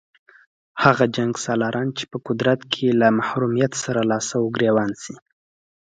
هغه جنګسالاران چې په قدرت کې له محرومیت سره لاس او ګرېوان شي.